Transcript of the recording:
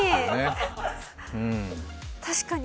確かに。